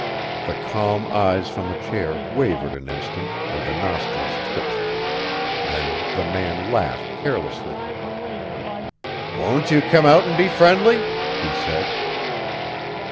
The calm eyes from the chair wavered an instant and the nostrils twitched; then the man laughed carelessly. "Won't you come out and be friendly?" he said.